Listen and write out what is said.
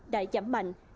đã giảm mạnh